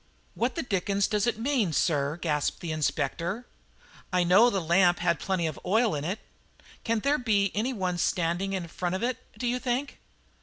"What the dickens does it mean, sir?" gasped the Inspector. "I know the lamp had plenty of oil in it. Can there be any one standing in front of it, do you think?"